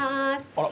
あら！